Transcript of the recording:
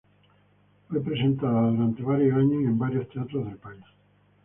Fue presentada durante varios años y en varios teatros del país.